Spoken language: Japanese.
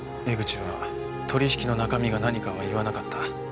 江口は取引の中身が何かは言わなかった。